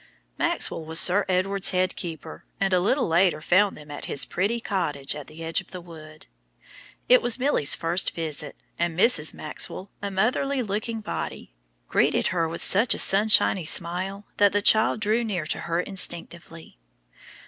Maxwell was Sir Edward's head game keeper, and a little later found them at his pretty cottage at the edge of the wood. It was Milly's first visit, and Mrs. Maxwell, a motherly looking body, greeted her with such a sunshiny smile that the child drew near to her instinctively.